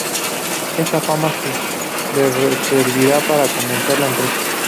Esta fama le serviría para comenzar la empresa.